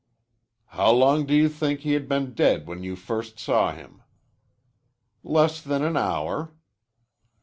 "How long do you think he had been dead when you first saw him?" "Less than an hour."